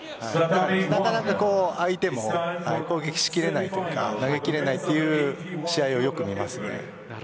なかなか入っても攻撃しきれないというか投げきれないという試合をよく見ます。